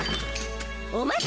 お待ち！